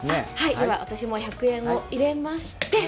では私も１００円を入れまして